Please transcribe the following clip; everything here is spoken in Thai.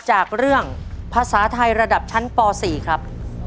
จากเรื่องภาษาไทยระดับชั้นป๔ครับ